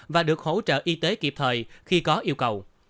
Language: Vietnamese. và được hỗ trợ y tế kịp thời khi có yêu cầu